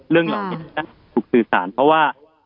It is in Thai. เรื่องเหล่านี้ถูกสื่อสารเพราะว่า